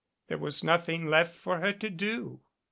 There was nothing left for her to do.